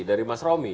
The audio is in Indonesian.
dari mas romi